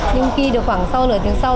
nhưng khi được khoảng sau lửa tiếng sau